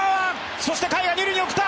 そして甲斐が二塁に送った。